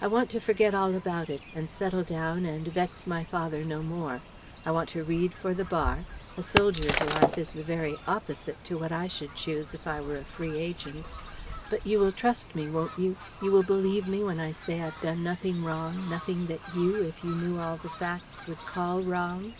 "I want to forget all about it and settle down and vex my father no more. I want to read for the Bar a soldier's life is the very opposite to what I should choose if I were a free agent. But you will trust me, won't you? You will believe me when I say I've done nothing wrong, nothing that you, if you knew all the facts, would call wrong...?"